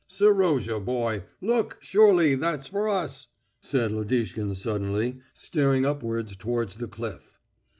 "Serozha, boy, look, surely that's for us!" said Lodishkin suddenly, staring upwards towards the cliff.